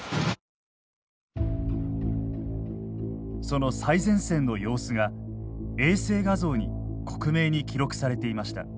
その最前線の様子が衛星画像に克明に記録されていました。